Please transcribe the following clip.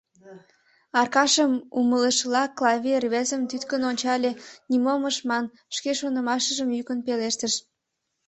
Аркашым умылышыла, Клави рвезым тӱткын ончале, нимом ыш ман, шке шонымыжым йӱкын пелештыш: